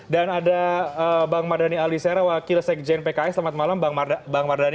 dan ada bang mardani alisera wakil sekjen pks selamat malam bang mardani